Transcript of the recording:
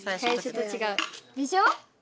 でしょ？